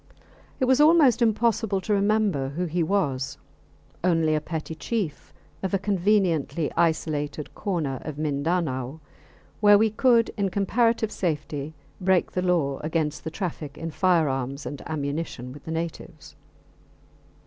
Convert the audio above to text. It was almost impossible to remember who he was only a petty chief of a conveniently isolated corner of Mindanao, where we could in comparative safety break the law against the traffic in firearms and ammunition with the natives.